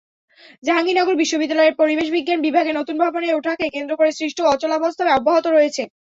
জাহাঙ্গীরনগর বিশ্ববিদ্যালয়ের পরিবেশবিজ্ঞান বিভাগের নতুন ভবনে ওঠাকে কেন্দ্র করে সৃষ্ট অচলাবস্থা অব্যাহত রয়েছে।